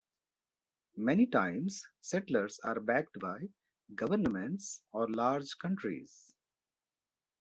Many times settlers are backed by governments or large countries.